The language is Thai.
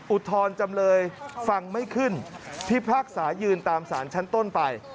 อุทธรณ์จำเลยฟังไม่ขึ้นพิพากษายืนตามสารชั้นต้นไป